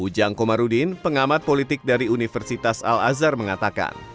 ujang komarudin pengamat politik dari universitas al azhar mengatakan